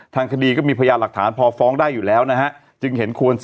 ตะเคียนอีกแล้ว